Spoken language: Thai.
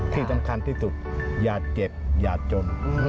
ที่สำคัญที่สุดอย่าเจ็บอย่าจน